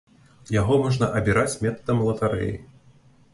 Яго можна абіраць метадам латарэі.